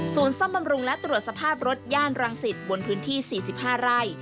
ซ่อมบำรุงและตรวจสภาพรถย่านรังสิตบนพื้นที่๔๕ไร่